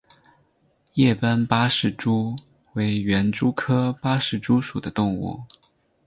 叶斑八氏蛛为园蛛科八氏蛛属的动物。